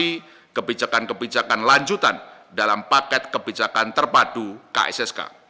melalui kebijakan kebijakan lanjutan dalam paket kebijakan terpadu kssk